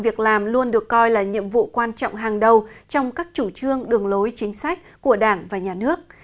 việc làm luôn được coi là nhiệm vụ quan trọng hàng đầu trong các chủ trương đường lối chính sách của đảng và nhà nước